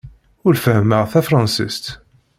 Ur fehhmeɣ tafṛensist.